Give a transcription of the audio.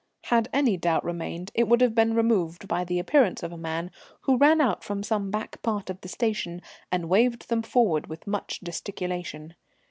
Had any doubt remained, it would have been removed by the appearance of a man who ran out from some back part of the station and waved them forward with much gesticulation.